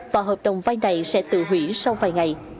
và hợp đồng vai này sẽ tự hủy sau vài ngày